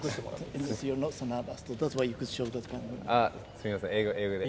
すみません、英語で。